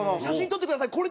「写真撮ってください。